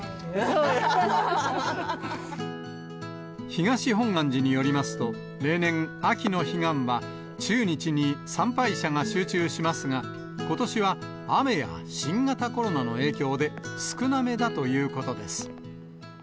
東本願寺によりますと、例年、秋の彼岸は、中日に参拝者が集中しますが、ことしは雨や新型コロナの影響で少なめだということです。